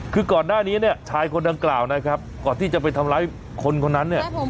คือก่อนหน้านี้เนี่ยชายคนดังกล่าวนะครับก่อนที่จะไปทำร้ายคนคนนั้นเนี่ย